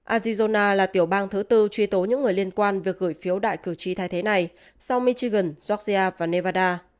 azizona là tiểu bang thứ tư truy tố những người liên quan việc gửi phiếu đại cử tri thay thế này sau michigan georgia và nevada